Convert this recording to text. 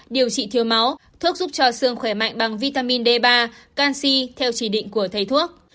điều trị thiếu máu thuốc giúp cho xương khỏe mạnh bằng vitamin d ba canxi theo chỉ định của thầy thuốc